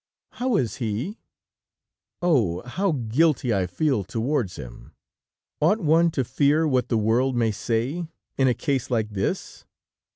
How is he? Oh! How guilty I feel towards him! Ought one to fear what the world may say, in a case like this?